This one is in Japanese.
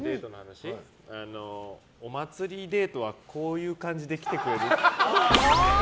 お祭りデートはこういう感じで来てくれる。